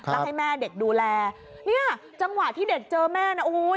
แล้วให้แม่เด็กดูแลเนี่ยจังหวะที่เด็กเจอแม่นะอุ้ย